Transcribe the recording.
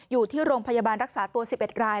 อยู่ที่โรงพยาบาลรักษาตัว๑๑ราย